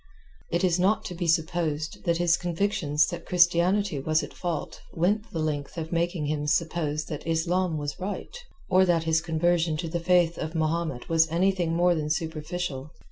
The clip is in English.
It is not to be supposed that his convictions that Christianity was at fault went the length of making him suppose that Islam was right, or that his conversion to the Faith of Mahomet was anything more than superficial.